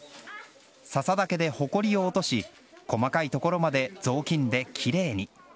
笹竹でほこりを落とし細かいところまで雑巾できれいに。